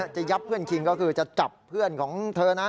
จะยับเพื่อนคิงก็คือจะจับเพื่อนของเธอนะ